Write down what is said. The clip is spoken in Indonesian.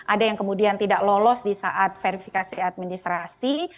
ada yang kemudian tidak lolos di saat verifikasi administrasi